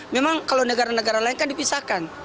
memang kalau negara negara lain kan dipisahkan